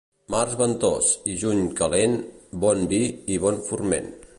Març ventós i juny calent, bon vi i bon forment.